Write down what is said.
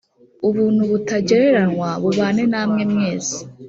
Ubuntu butagereranywa bubane namwe mwese